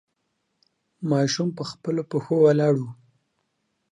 ماشوم په خپلو پښو ولاړ و.